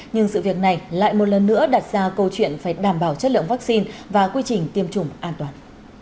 nhưng sự việc này lại một lần nữa đặt ra câu chuyện phải đảm bảo chất lượng vaccine và quy trình tiêm chủng an toàn